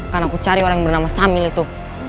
karena aku cari orang bernama samil itu